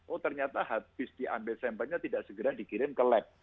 oh ternyata habis diambil sampelnya tidak segera dikirim ke lab